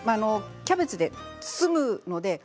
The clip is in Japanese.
キャベツで包むんです。